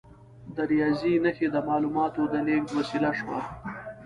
د ریاضي نښې د معلوماتو د لیږد وسیله شوه.